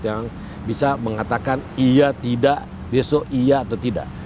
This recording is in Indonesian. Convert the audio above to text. yang bisa mengatakan iya tidak besok iya atau tidak